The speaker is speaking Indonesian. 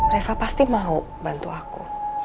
reva pasti mau bantu aku